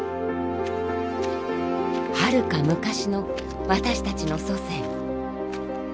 はるか昔の私たちの祖先。